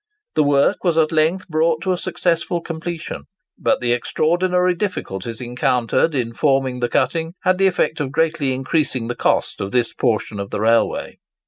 The work was at length brought to a successful completion, but the extraordinary difficulties encountered in forming the cutting had the effect of greatly increasing the cost of this portion of the railway.